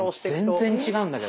全然違うんだけど。